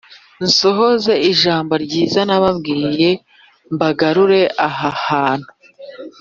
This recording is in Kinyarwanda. nsohoze ijambo ryiza nababwiye mbagarure aha hantu